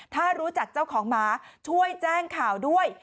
ถ้ารู้จักเจ้าของหมาช่วยแจ้งข่าวด้วย